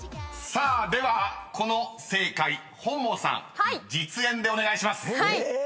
［さあではこの正解本望さん実演でお願いします］え！